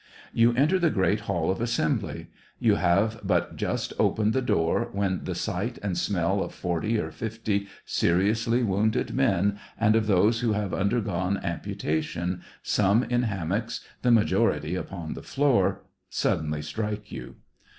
You enter the great Hall of Assembly. You have but just opened the door when the sight and smell of forty or fifty seriously wounded men 12 SEVASTOPOL IN DECEMBER. and of those who have undergone amputation — some in hammocks, the majority upon the floor — suddenly strike you.